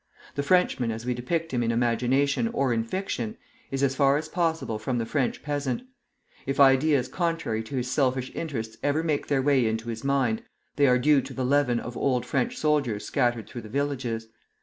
The Frenchman, as we depict him in imagination or in fiction, is as far as possible from the French peasant. If ideas contrary to his selfish interests ever make their way into his mind, they are due to the leaven of old French soldiers scattered through the villages.